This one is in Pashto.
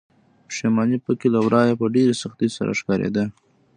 پښيماني پکې له ورايه په ډېرې سختۍ سره ښکاريده.